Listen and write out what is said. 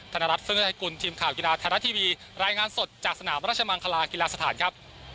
ขอบคุณมากค่ะคุณธนรัฐค่ะ